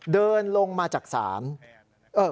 เดินลงมาจากศาล